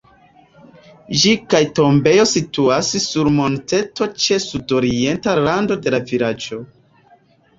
Ĝi kaj tombejo situas sur monteto ĉe sudorienta rando de la vilaĝo.